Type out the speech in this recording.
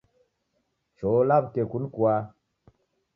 Cho law'uke kunikua